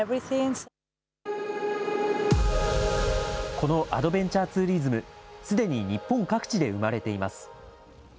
このアドベンチャーツーリズム、すでに日本各地で生まれています。